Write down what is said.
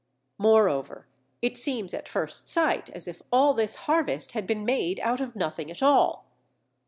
Moreover, it seems at first sight as if all this harvest had been made out of nothing at all.